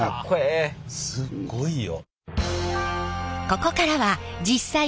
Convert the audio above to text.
すっごいよ。